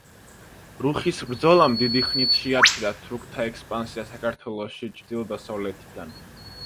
რუხის ბრძოლამ დიდი ხნით შეაჩერა თურქთა ექსპანსია საქართველოში ჩრდილო-დასავლეთიდან.